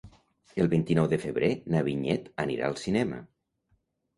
El vint-i-nou de febrer na Vinyet anirà al cinema.